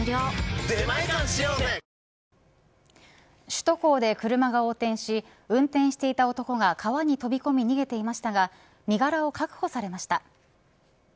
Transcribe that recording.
首都高で車が横転し運転していた男が川に飛び込み逃げていましたが身柄を確保されました。